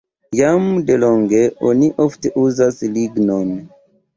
Jam delonge oni ofte uzas lignon.